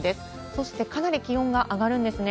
そしてかなり気温が上がるんですね。